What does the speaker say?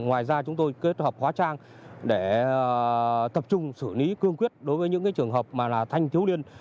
ngoài ra chúng tôi kết hợp hóa trang để tập trung xử lý cương quyết đối với những trường hợp mà là thanh thiếu niên